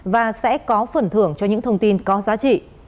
và sẽ có phần thưởng cho những thông tin có giá trị